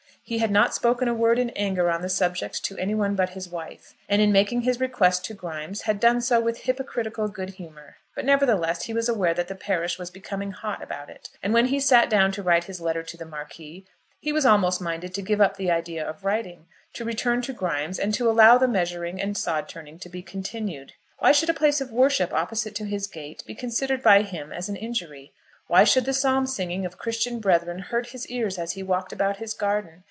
He had not spoken a word in anger on the subject to anyone but his wife; and in making his request to Grimes had done so with hypocritical good humour. But, nevertheless, he was aware that the parish was becoming hot about it; and when he sat down to write his letter to the Marquis he was almost minded to give up the idea of writing, to return to Grimes, and to allow the measuring and sod turning to be continued. Why should a place of worship opposite to his gate be considered by him as an injury? Why should the psalm singing of Christian brethren hurt his ears as he walked about his garden?